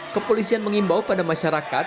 kepolisian mengimbau pada masyarakat